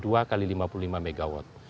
dua kali lima puluh lima megawatt